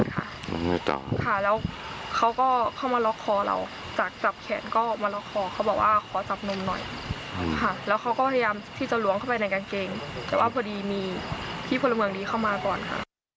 แต่ว่าพอดีมีพี่พลเมืองนี้เข้ามาก่อนค่ะ